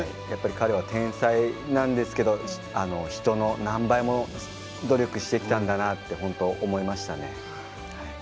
やっぱり彼は天才なんですけど人の何倍も努力してきたんだな本当、思いましたね。